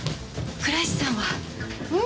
倉石さんは？え？